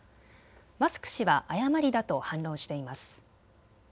マスク氏は誤りだと反論しています。